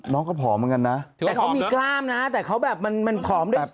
น้องก็ผอมเหมือนกันนะแต่เขามีกล้ามนะแต่เขาแบบมันผอมด้วย